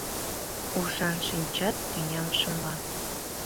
Ушан шинчат тӱням шымла.